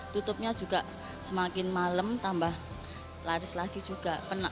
tutupnya juga semakin malam tambah laris lagi juga